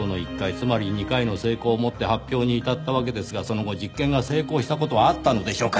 つまり２回の成功を持って発表に至ったわけですがその後実験が成功した事はあったのでしょうか？